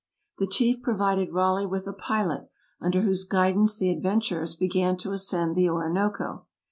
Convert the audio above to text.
The chief provided Raleigh with a pilot, under whose guidance the adventurers began to ascend the Orinoco.